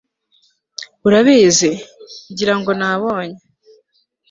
urabizi, ngira ngo nabonye